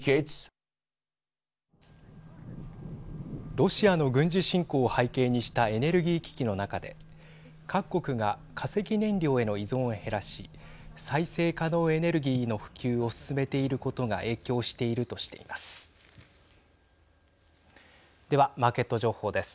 ロシアの軍事侵攻を背景にしたエネルギー危機の中で各国が化石燃料への依存を減らし再生可能エネルギーの普及を進めていることが影響しているとしています。